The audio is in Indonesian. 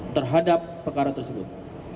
terhadap perkara tersebut